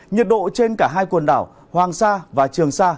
nhiệt độ trên cả hai quần đảo hoàng sa và trường sa